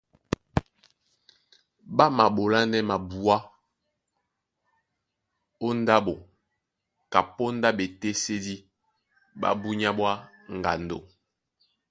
Ɓá maɓolánɛ́ mabuá ó ndáɓo kapóndá ɓetésédí ɓá búnyá ɓwá ŋgando,